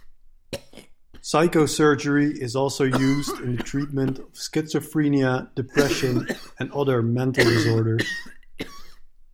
Psychosurgery is also used in the treatment of schizophrenia, depression, and other mental disorders.